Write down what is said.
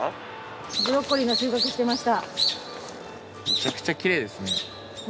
めちゃくちゃきれいですね。